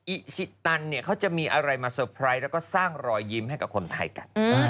อิชิตันเนี่ยเขาจะมีอะไรมาเซอร์ไพรส์แล้วก็สร้างรอยยิ้มให้กับคนไทยกัน